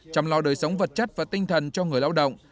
chăm lo đời sống vật chất và tinh thần cho người lao động